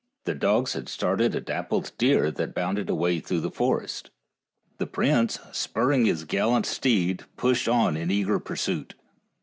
The dogs had started a dappled deer that bounded away through the forest. The prince, spurring his gallant steed, pushed on in eager pursuit.